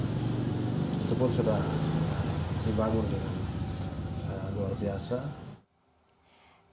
itu pun sudah dibangun luar biasa